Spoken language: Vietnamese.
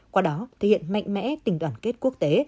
qua đó thể hiện mạnh mẽ tình đoàn kết quốc tế